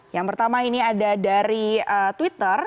yang pertama ini ada dari twitter